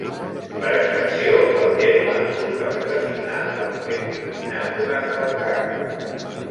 Per extensió, el terme s'usa per designar el moment culminant d'un espectacle.